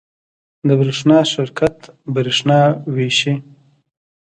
د برښنا شرکت بریښنا ویشي